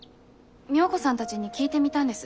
みよ子さんたちに聞いてみたんです。